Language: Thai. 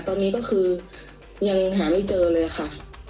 ตอนนี้ก็คือยังหาไม่เจอเลยค่ะ